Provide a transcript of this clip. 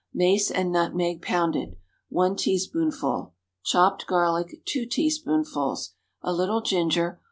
Mace and nutmeg pounded, 1 teaspoonful. Chopped garlic, 2 teaspoonfuls. A little ginger.